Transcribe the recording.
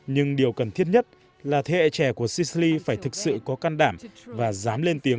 nhưng điều cần thiết nhất là thế hệ trẻ của sydli phải thực sự có căn đảm và dám lên tiếng